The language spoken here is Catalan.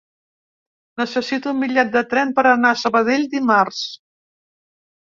Necessito un bitllet de tren per anar a Sabadell dimarts.